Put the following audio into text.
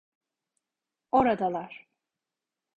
Oradalar.